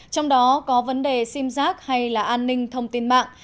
trong đó có vấn đề sim giác hay là an ninh thông tin mạng